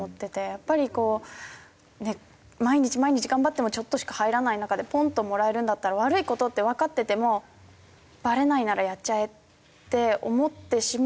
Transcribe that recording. やっぱりこう毎日毎日頑張ってもちょっとしか入らない中でポンともらえるんだったら悪い事ってわかっててもバレないならやっちゃえって思ってしまう。